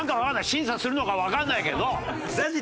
審査するのかわかんないけど。